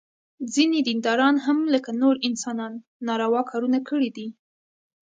ځینې دینداران هم لکه نور انسانان ناروا کارونه کړي دي.